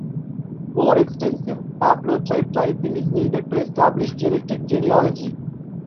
More extensive haplotype typing is needed to establish genetic genealogy.